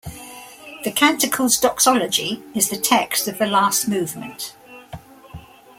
The canticle's doxology is the text of the last movement.